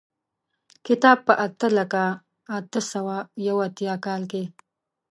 کتاب په اته لکه اته سوه یو اتیا کال کې.